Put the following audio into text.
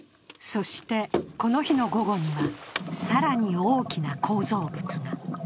そして、この日の午後には更に大きな構造物が。